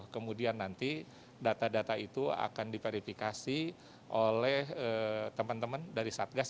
kemudian nanti data data itu akan diverifikasi oleh teman teman dari satgas